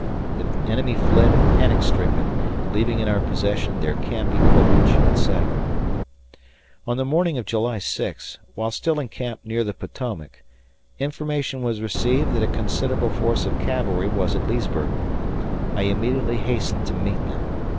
The enemy fled panic stricken, leaving in our possession their camp equipage, etc. ... On the morning of July 6, while still encamped near the Potomac, information was received that a considerable force of cavalry was at Leesburg. I immediately hastened to meet them.